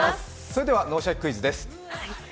それでは「脳シャキ！クイズ」です。